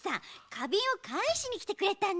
かびんをかえしにきてくれたの。